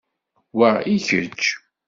Wa i kečč.